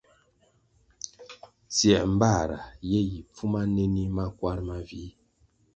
Tsiē mbāra ye yi pfuma nenih makwar mavih,